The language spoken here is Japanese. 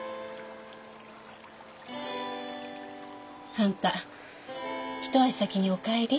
あんた一足先にお帰り。